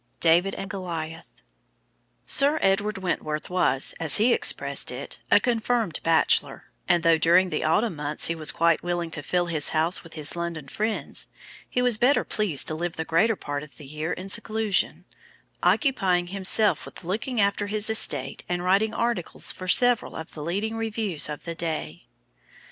DAVID AND GOLIATH. Sir Edward Wentworth was, as he expressed it, a "confirmed bachelor," and though during the autumn months he was quite willing to fill his house with his London friends, he was better pleased to live the greater part of the year in seclusion, occupying himself with looking after his estate and writing articles for several of the leading reviews of the day.